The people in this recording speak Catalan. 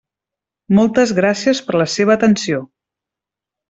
Moltes gràcies per la seva atenció.